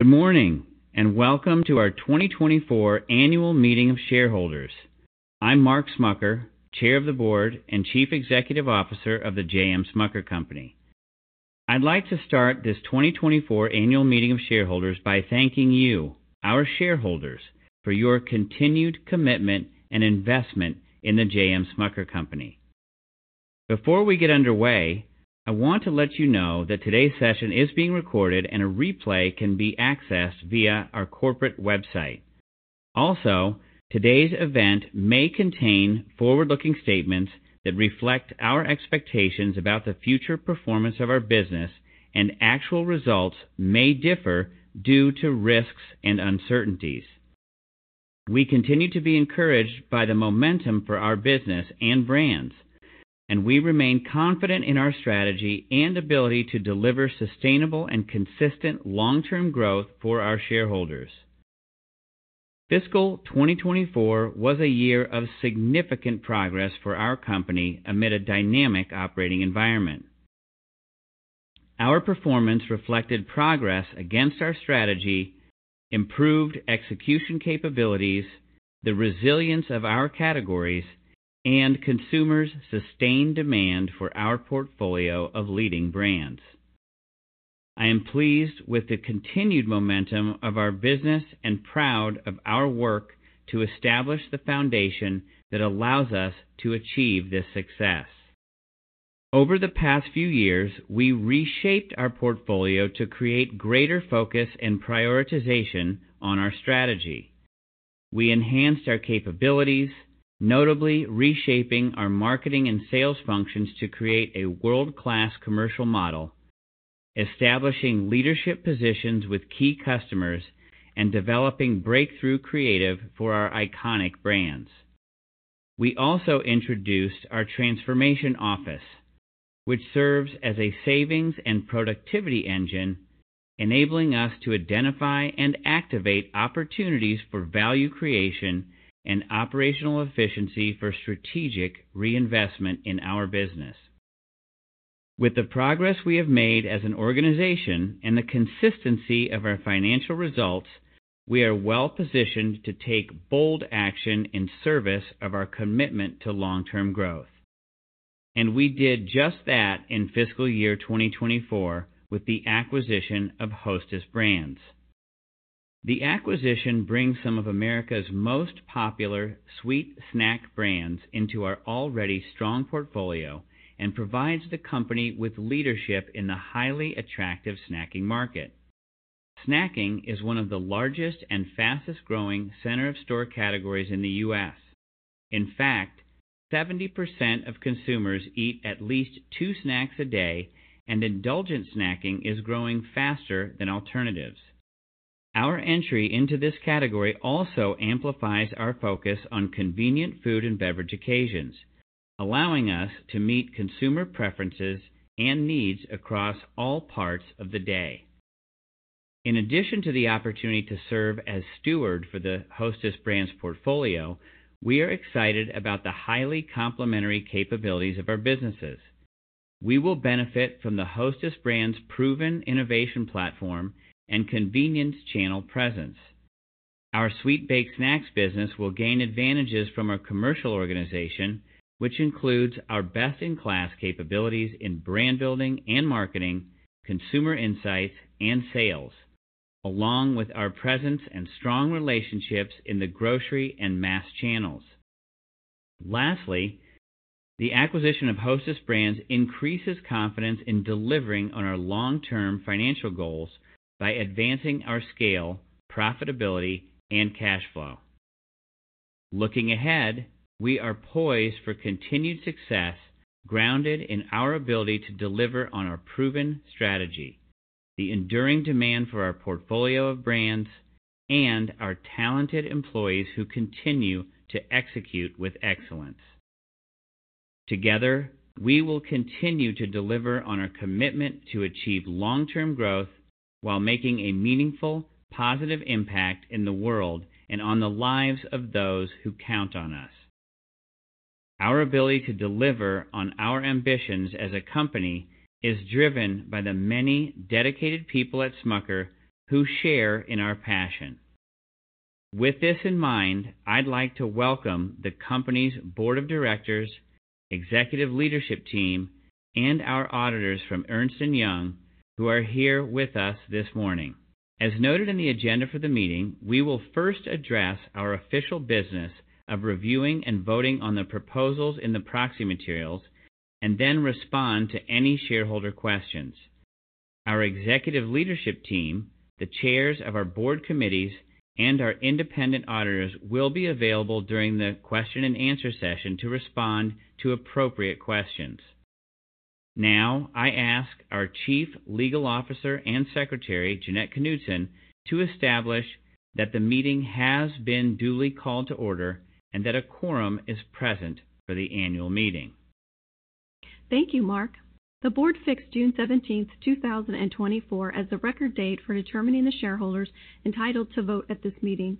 Good morning, and welcome to our 2024 Annual Meeting of Shareholders. I'm Mark Smucker, Chair of the Board and Chief Executive Officer of the J.M. Smucker Company. I'd like to start this 2024 Annual Meeting of Shareholders by thanking you, our shareholders, for your continued commitment and investment in the J.M. Smucker Company. Before we get underway, I want to let you know that today's session is being recorded and a replay can be accessed via our corporate website. Also, today's event may contain forward-looking statements that reflect our expectations about the future performance of our business, and actual results may differ due to risks and uncertainties. We continue to be encouraged by the momentum for our business and brands, and we remain confident in our strategy and ability to deliver sustainable and consistent long-term growth for our shareholders. Fiscal 2024 was a year of significant progress for our company amid a dynamic operating environment. Our performance reflected progress against our strategy, improved execution capabilities, the resilience of our categories, and consumers' sustained demand for our portfolio of leading brands. I am pleased with the continued momentum of our business and proud of our work to establish the foundation that allows us to achieve this success. Over the past few years, we reshaped our portfolio to create greater focus and prioritization on our strategy. We enhanced our capabilities, notably reshaping our marketing and sales functions to create a world-class commercial model, establishing leadership positions with key customers, and developing breakthrough creative for our iconic brands. We also introduced our transformation office, which serves as a savings and productivity engine, enabling us to identify and activate opportunities for value creation and operational efficiency for strategic reinvestment in our business. With the progress we have made as an organization and the consistency of our financial results, we are well-positioned to take bold action in service of our commitment to long-term growth. We did just that in fiscal year 2024 with the acquisition of Hostess Brands. The acquisition brings some of America's most popular sweet snack brands into our already strong portfolio and provides the company with leadership in the highly attractive snacking market. Snacking is one of the largest and fastest-growing center-of-store categories in the US. In fact, 70%, of consumers eat at least two snacks a day, and indulgent snacking is growing faster than alternatives. Our entry into this category also amplifies our focus on convenient food and beverage occasions, allowing us to meet consumer preferences and needs across all parts of the day. In addition to the opportunity to serve as steward for the Hostess Brands portfolio, we are excited about the highly complementary capabilities of our businesses. We will benefit from the Hostess Brands' proven innovation platform and convenience channel presence. Our sweet baked snacks business will gain advantages from our commercial organization, which includes our best-in-class capabilities in brand building and marketing, consumer insights, and sales, along with our presence and strong relationships in the grocery and mass channels. Lastly, the acquisition of Hostess Brands increases confidence in delivering on our long-term financial goals by advancing our scale, profitability, and cash flow. Looking ahead, we are poised for continued success, grounded in our ability to deliver on our proven strategy, the enduring demand for our portfolio of brands, and our talented employees who continue to execute with excellence. Together, we will continue to deliver on our commitment to achieve long-term growth while making a meaningful, positive impact in the world and on the lives of those who count on us. Our ability to deliver on our ambitions as a company is driven by the many dedicated people at Smucker who share in our passion. With this in mind, I'd like to welcome the company's board of directors, executive leadership team, and our auditors from Ernst & Young, who are here with us this morning. As noted in the agenda for the meeting, we will first address our official business of reviewing and voting on the proposals in the proxy materials and then respond to any shareholder questions. Our executive leadership team, the chairs of our board committees, and our independent auditors will be available during the question and answer session to respond to appropriate questions. Now, I ask our Chief Legal Officer and Secretary, Jeannette Knudsen, to establish that the meeting has been duly called to order and that a quorum is present for the annual meeting. Thank you, Mark. The board fixed June 17, 2024, as the record date for determining the shareholders entitled to vote at this meeting.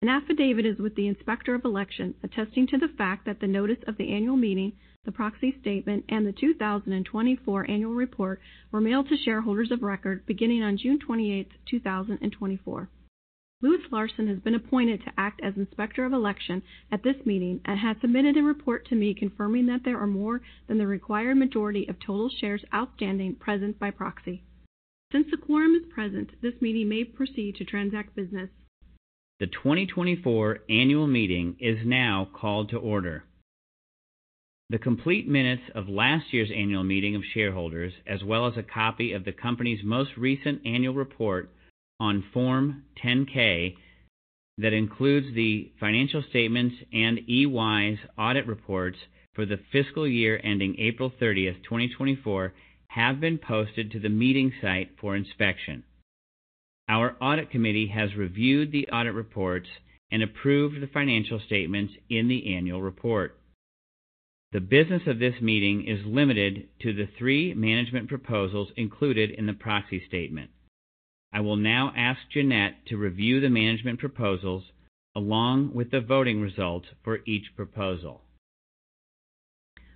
An affidavit is with the Inspector of Election, attesting to the fact that the notice of the annual meeting, the proxy statement, and the 2024 annual report were mailed to shareholders of record beginning on June 28, 2024. Louis Larson has been appointed to act as Inspector of Election at this meeting and has submitted a report to me confirming that there are more than the required majority of total shares outstanding present by proxy. Since the quorum is present, this meeting may proceed to transact business. The 2024 annual meeting is now called to order. The complete minutes of last year's annual meeting of shareholders, as well as a copy of the company's most recent annual report on Form 10-K that includes the financial statements and EY's audit reports for the fiscal year ending April 30, 2024, have been posted to the meeting site for inspection. Our audit committee has reviewed the audit reports and approved the financial statements in the annual report. The business of this meeting is limited to the three management proposals included in the proxy statement. I will now ask Jeannette to review the management proposals, along with the voting results for each proposal.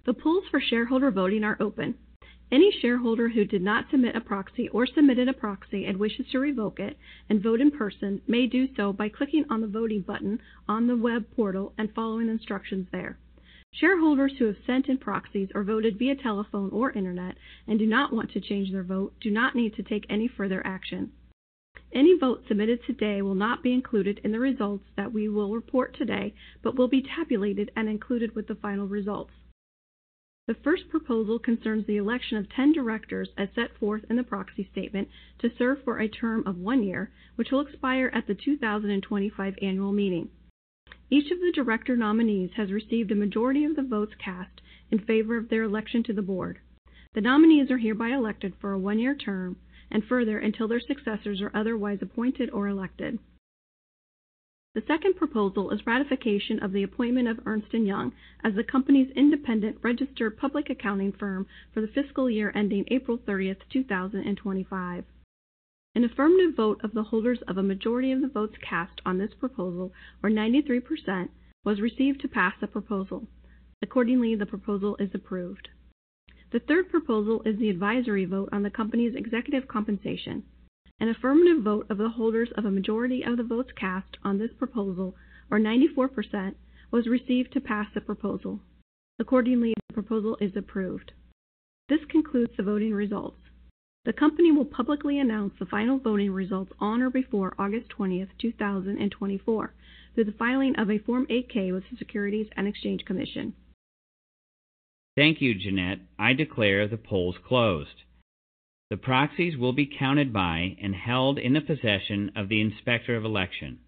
The polls for shareholder voting are open. Any shareholder who did not submit a proxy or submitted a proxy and wishes to revoke it and vote in person, may do so by clicking on the voting button on the web portal and following instructions there. Shareholders who have sent in proxies or voted via telephone or internet and do not want to change their vote, do not need to take any further action. Any vote submitted today will not be included in the results that we will report today, but will be tabulated and included with the final results. The first proposal concerns the election of 10 directors as set forth in the proxy statement to serve for a term of one year, which will expire at the 2025 annual meeting. Each of the director nominees has received a majority of the votes cast in favor of their election to the board. The nominees are hereby elected for a one-year term and further until their successors are otherwise appointed or elected. The second proposal is ratification of the appointment of Ernst & Young as the company's independent registered public accounting firm for the fiscal year ending April 30, 2025. An affirmative vote of the holders of a majority of the votes cast on this proposal, or 93%, was received to pass the proposal. Accordingly, the proposal is approved. The third proposal is the advisory vote on the company's executive compensation. An affirmative vote of the holders of a majority of the votes cast on this proposal, or 94%, was received to pass the proposal. Accordingly, the proposal is approved. This concludes the voting results. The company will publicly announce the final voting results on or before August 20th, 2024, through the filing of a Form 8-K with the Securities and Exchange Commission. Thank you, Jeannette. I declare the polls closed. The proxies will be counted by and held in the possession of the Inspector of Election.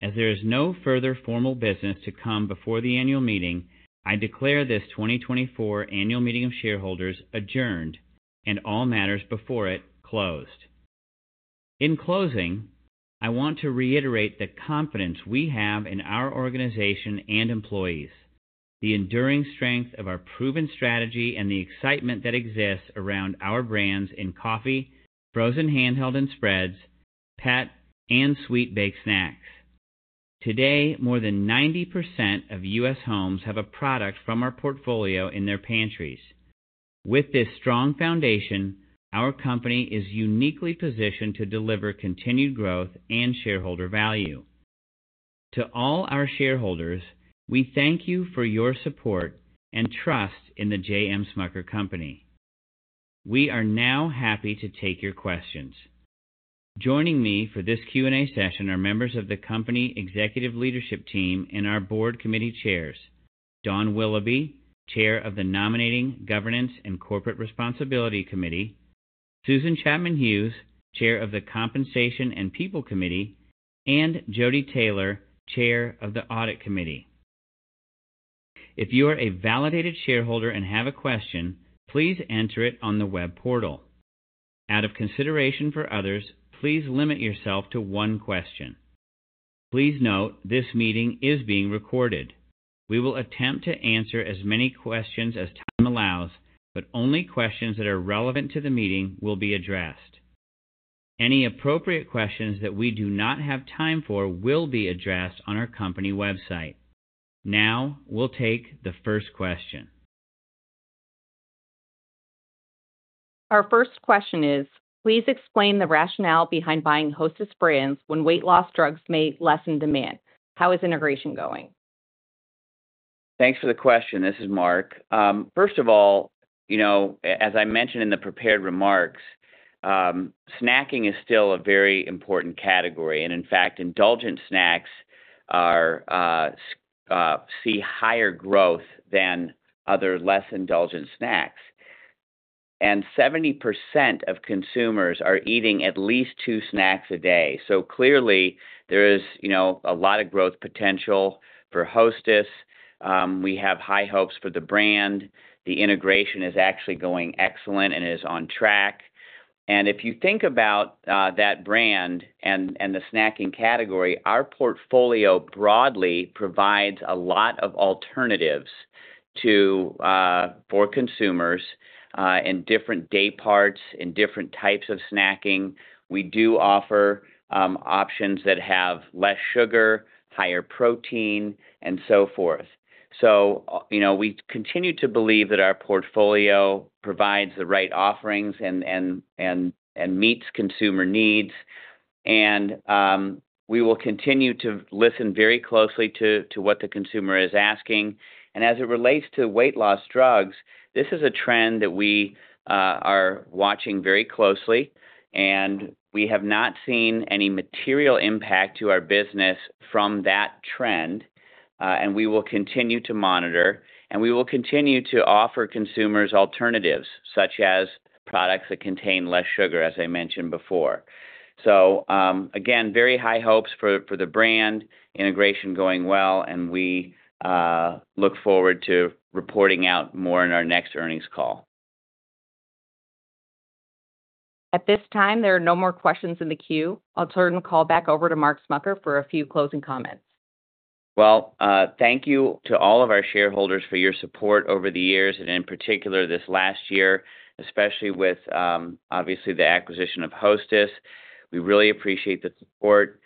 As there is no further formal business to come before the annual meeting, I declare this 2024 Annual Meeting of Shareholders adjourned and all matters before it closed. In closing, I want to reiterate the confidence we have in our organization and employees, the enduring strength of our proven strategy, and the excitement that exists around our brands in coffee, frozen handheld and spreads, pet, and sweet baked snacks. Today, more than 90% of U.S. homes have a product from our portfolio in their pantries. With this strong foundation, our company is uniquely positioned to deliver continued growth and shareholder value. To all our shareholders, we thank you for your support and trust in the J.M. Smucker Company. We are now happy to take your questions. Joining me for this Q&A session are members of the company executive leadership team and our board committee chairs, Dawn Willoughby, Chair of the Nominating, Governance, and Corporate Responsibility Committee, Susan Chapman Hughes, Chair of the Compensation and People Committee, and Jody Taylor, Chair of the Audit Committee. If you are a validated shareholder and have a question, please enter it on the web portal. Out of consideration for others, please limit yourself to one question. Please note, this meeting is being recorded. We will attempt to answer as many questions as time allows, but only questions that are relevant to the meeting will be addressed. Any appropriate questions that we do not have time for will be addressed on our company website. Now, we'll take the first question. Our first question is: Please explain the rationale behind buying Hostess Brands when weight loss drugs may lessen demand. How is integration going? Thanks for the question. This is Mark. First of all, you know, as I mentioned in the prepared remarks, snacking is still a very important category, and in fact, indulgent snacks are seeing higher growth than other less indulgent snacks. Seventy percent of consumers are eating at least two snacks a day. So clearly, there is, you know, a lot of growth potential for Hostess. We have high hopes for the brand. The integration is actually going excellent and is on track. And if you think about that brand and the snacking category, our portfolio broadly provides a lot of alternatives to for consumers in different day parts, in different types of snacking. We do offer options that have less sugar, higher protein, and so forth. So you know, we continue to believe that our portfolio provides the right offerings and meets consumer needs. And we will continue to listen very closely to what the consumer is asking. And as it relates to weight loss drugs, this is a trend that we are watching very closely, and we have not seen any material impact to our business from that trend, and we will continue to monitor. And we will continue to offer consumers alternatives, such as products that contain less sugar, as I mentioned before. So, again, very high hopes for the brand, integration going well, and we look forward to reporting out more in our next earnings call. At this time, there are no more questions in the queue. I'll turn the call back over to Mark Smucker for a few closing comments. Well, thank you to all of our shareholders for your support over the years, and in particular, this last year, especially with, obviously, the acquisition of Hostess. We really appreciate the support.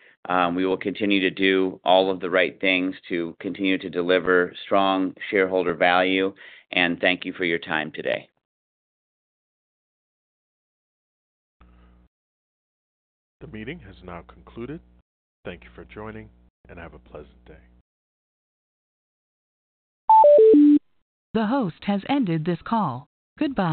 We will continue to do all of the right things to continue to deliver strong shareholder value, and thank you for your time today. The meeting has now concluded. Thank you for joining, and have a pleasant day. The host has ended this call. Goodbye.